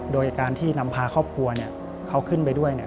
โดยการที่นำพาครอบครัวเขาขึ้นไปด้วย